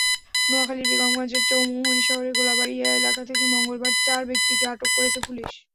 নোয়াখালীর বেগমগঞ্জের চৌমুহনী শহরের গোলাবাড়িয়া এলাকা থেকে মঙ্গলবার চার ব্যক্তিকে আটক করেছে পুলিশ।